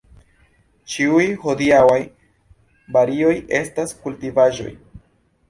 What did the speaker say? Ĉiuj hodiaŭaj varioj estas kultivaĵoj.